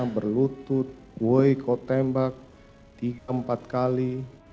berlutut woy kau tembak tiga empat kali